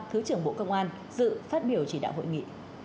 thứ trưởng bộ công an dự phát biểu chỉ đạo hội nghị